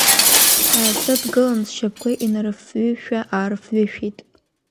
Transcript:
Иаасыдгылан сшьапқәа инарыфҩышәа-аарфҩышәеит.